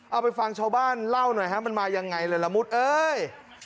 เอาไปฟังชาวบ้านเล่าหน่อยฮะมันมายังไงเลยละมุดเอ้ย